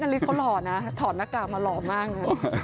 ฤทธิเขาหล่อนะถอดหน้ากากมาหล่อมากนะ